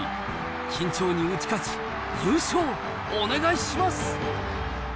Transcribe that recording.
緊張に打ち勝ち、優勝、お願いします。